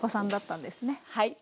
はい。